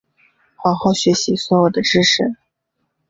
好好学习所有的知识